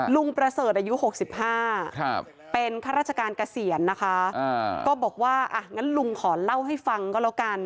ประเสริฐอายุ๖๕เป็นข้าราชการเกษียณนะคะก็บอกว่าอ่ะงั้นลุงขอเล่าให้ฟังก็แล้วกัน